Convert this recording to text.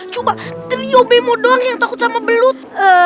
coba trio bemo doang yang takut sama belut